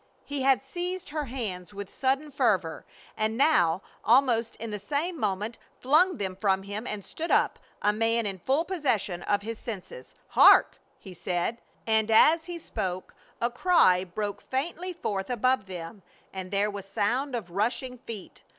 He had seized her hands with sudden fervor, and now, almost in the same moment, flung them from him and stood up, a man in full possession of his senses. "Hark!" he said, and as he spoke a cry broke faintly forth above them, and there was sound of rushing feet.